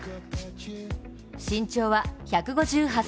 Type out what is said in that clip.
身長は１５８ｃｍ。